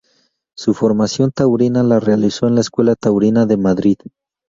Su formación taurina la realizó en la Escuela Taurina de Madrid.